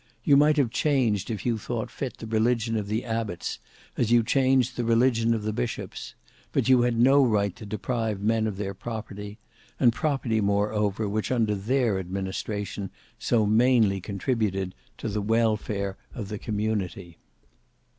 You might have changed if you thought fit the religion of the abbots as you changed the religion of the bishops: but you had no right to deprive men of their property, and property moreover which under their administration so mainly contributed to the welfare of the community."